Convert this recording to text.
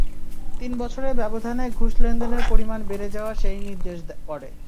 তিন বছরের ব্যবধানে ঘুষ লেনদেনের পরিমাণ বেড়ে যাওয়া সেই নির্দেশ করে।